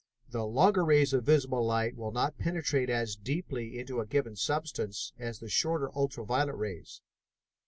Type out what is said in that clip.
"The longer rays of visible light will not penetrate as deeply into a given substance as the shorter ultra violet rays.